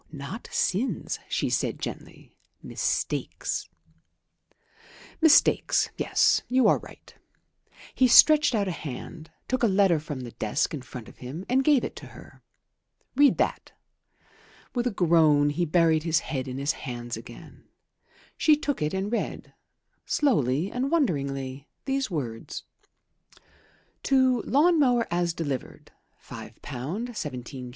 "Not sins," she said gently. "Mistakes." "Mistakes, yes you are right." He stretched out a hand, took a letter from the desk in front of him and gave it to her. "Read that." With a groan he buried his head in his hands again. She took it and read, slowly and wonderingly, these words: "To lawn mower as delivered, £5 17s. 6d."